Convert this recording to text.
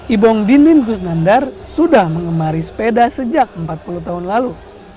ibong dinin gusnandar sudah mengemari sepeda sejak empat puluh tahun lalu